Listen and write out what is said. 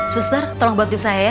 susar tolong bantu saya ya